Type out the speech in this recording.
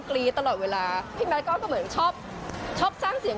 อ่่กสายเอนว่าตาย